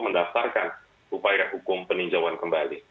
mendaftarkan upaya hukum peninjauan kembali